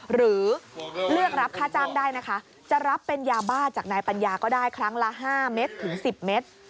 หรือเลือกรับค่าจ้างได้นะคะจะรับเป็นยาบ้าจากนายปัญญาก็ได้ครั้งละ๕เม็ดถึง๑๐เมตร